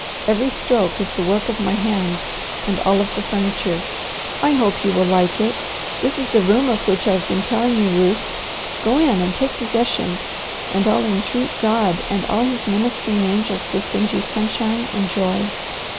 Every stroke is the work of my hands, and all of the furniture. I hope you will like it. This is the room of which I've been telling you, Ruth. Go in and take possession, and I'll entreat God and all His ministering angels to send you sunshine and joy."